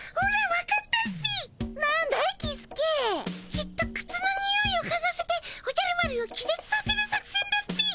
きっとくつのにおいをかがせておじゃる丸を気絶させる作戦だっピィ。